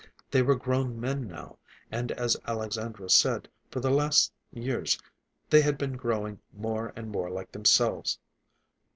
They were grown men now, and, as Alexandra said, for the last few years they had been growing more and more like themselves.